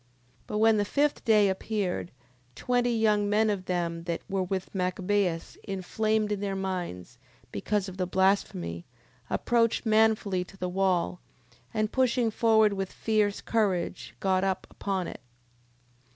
10:35. But when the fifth day appeared, twenty young men of them that were with Machabeus, inflamed in their minds, because of the blasphemy, approached manfully to the wall, and pushing forward with fierce courage, got up upon it: 10:36.